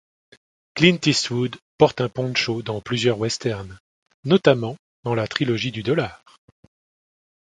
Clint Eastwood porte un poncho dans plusieurs westerns, notamment dans la Trilogie du dollar.